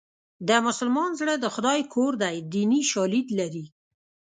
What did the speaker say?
د مسلمان زړه د خدای کور دی دیني شالید لري